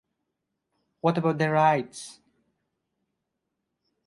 What about their rights?